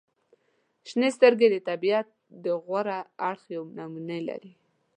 • شنې سترګې د طبیعت د غوره اړخ یوه نمونې لري.